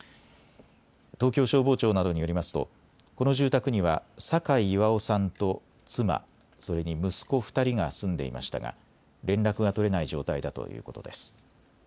東京消防庁などによりますとこの住宅には酒井巌さんと妻、それに息子２人が住んでいましたが連絡が取れない状態だということです。